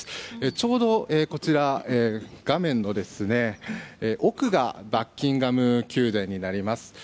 ちょうどこちら、画面の奥がバッキンガム宮殿になります。